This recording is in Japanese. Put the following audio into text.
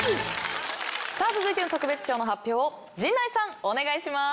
さあ続いての特別賞の発表を陣内さんお願いします。